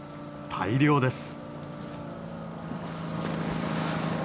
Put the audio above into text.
大漁です。